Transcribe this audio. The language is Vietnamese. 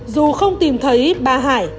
dù không tìm thấy bà hải